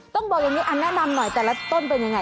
ต้องบอกอย่างนี้แนะนำหน่อยแต่ละต้นเป็นยังไง